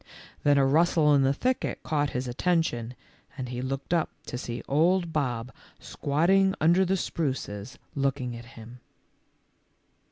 Then a rustle in the thicket caught his attention and he looked up to see old Bob squatting under the spruces looking at him.